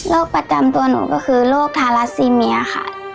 ประจำตัวหนูก็คือโรคทาราซีเมียค่ะ